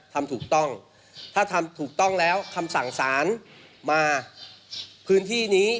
ทำถูกต้องถ้าทำถูกต้องแล้วคำสั่งสารมาพื้นที่นี้